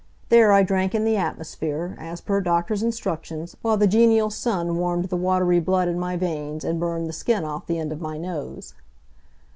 There I drank in the atmosphere, as per doctor's instructions, while the genial sun warmed the watery blood in my veins and burned the skin off the end of my nose.